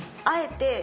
あえて？